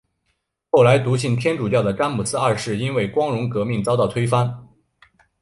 后来笃信天主教的詹姆斯二世因为光荣革命遭到推翻。